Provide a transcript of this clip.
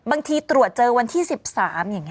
บางทีตรวจเจอวันที่๑๓อย่างนี้